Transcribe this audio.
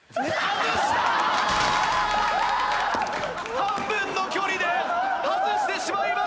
半分の距離で外してしまいました！